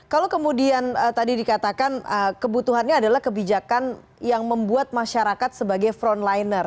kalau kemudian tadi dikatakan kebutuhannya adalah kebijakan yang membuat masyarakat sebagai frontliner